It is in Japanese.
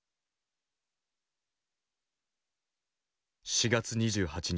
４月２８日